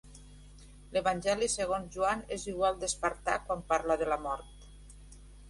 L'Evangeli segons Joan és igual d'espartà quan parla de la mort.